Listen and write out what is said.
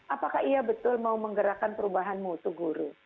apakah ia betul mau menggerakkan perubahan mutu guru